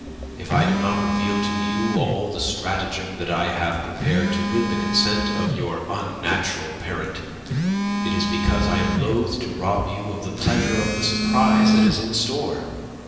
If I do not reveal to you all the stratagem that I have prepared to win the consent of your unnatural parent, it is because I am loath to rob you of the pleasure of the surprise that is in store.